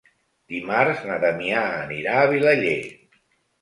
Dimarts na Damià anirà a Vilaller.